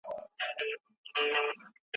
زه یم که مي نوم دی که هستي ده سره مله به یو